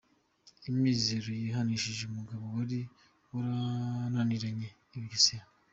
Amizero yihanishije umugabo wari warananiranye i Bugesera.